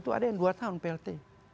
itu ada yang dua tahun plt